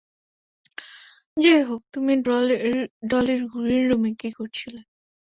যাইহোক, তুমি ডলির গ্রিনরুমে কী করছিলে?